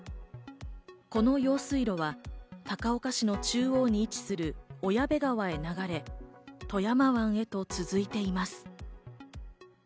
この用水路は高岡市の中央に位置する小矢部川へ流れ、富山湾へと続いています。